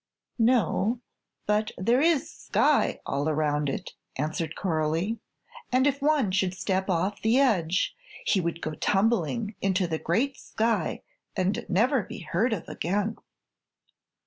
"No, but there is sky all around it," answered Coralie; "and, if one should step off the edge, he would go tumbling into the great sky and never be heard of again."